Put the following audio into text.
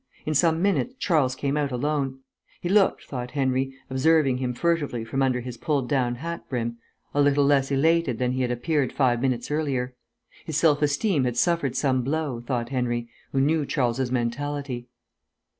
In some minutes Charles came out alone. He looked, thought Henry, observing him furtively from under his pulled down hat brim, a little less elated than he had appeared five minutes earlier. His self esteem had suffered some blow, thought Henry, who knew Charles's mentality.